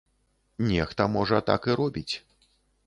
Нехта, можа, так і робіць.